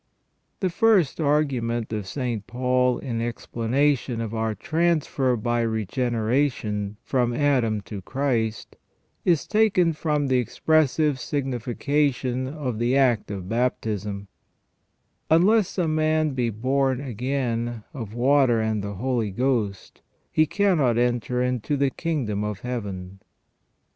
The first argument of St, Paul in explanation of our transfer by regeneration from Adam to Christ is taken from the expressive signification of the act of baptism :" Unless a man be born again of water and the Holy Ghost, he cannot enter into the kingdom of Heaven